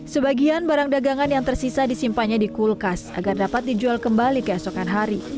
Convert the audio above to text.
sebagian barang dagangan yang tersisa disimpannya di kulkas agar dapat dijual kembali keesokan hari